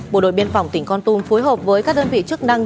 bộ đội biên phòng tỉnh con tum phối hợp với các đơn vị chức năng